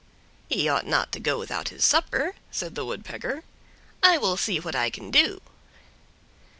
"He ought not to go without his supper," said the Woodpecker. "I will see what I can do."